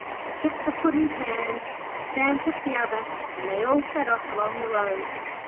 He took the Puddin's hand, Sam took the other, and they all set off along the road.